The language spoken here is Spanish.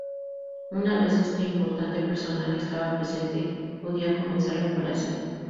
Una vez este importante personaje estaba presente, podía comenzar la operación.